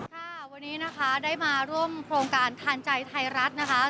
ค่ะวันนี้นะคะได้มาร่วมโครงการทานใจไทยรัฐนะคะ